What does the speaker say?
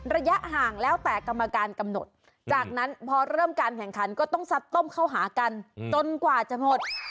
ระยะห่างแล้วแต่กรรมการกำหนดจากนั้นพอเริ่มการแข่งขันก็ต้องซัดต้มเข้าหากันจนกว่าจะหมด